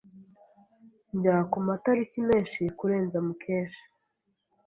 Njya kumatariki menshi kurenza Mukesha.